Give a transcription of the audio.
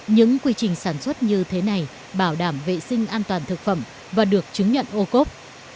những quy trình sản xuất như thế này bảo đảm vệ sinh an toàn thực phẩm và được chứng nhận ô cốp